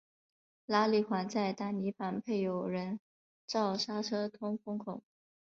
拉力款在挡泥板配有人造刹车通风孔。